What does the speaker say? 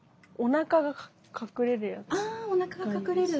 あおなかが隠れる。